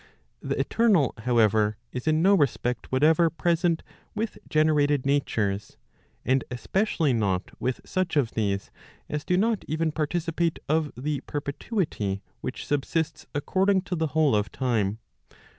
The eternal, however, is in no respect whatever present with generated natures, and especially not with such of these as do not even participate of the perpetuity which subsists according to the whole of time.